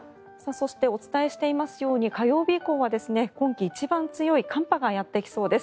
そして、お伝えしていますように火曜日以降は今季一番強い寒波がやってきそうです。